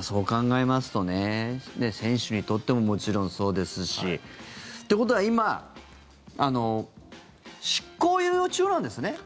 そう考えますと、選手にとってももちろんそうですし。ってことは今執行猶予中なんですね？